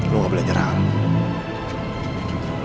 lo gak boleh nyerah